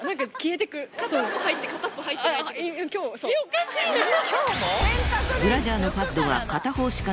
おかしいよ。